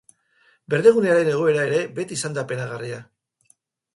Berdegunearen egoera ere beti izan da penagarria.